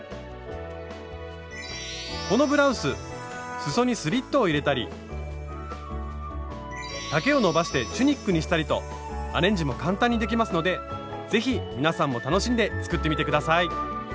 このブラウスすそにスリットを入れたり丈をのばしてチュニックにしたりとアレンジも簡単にできますので是非皆さんも楽しんで作ってみて下さい。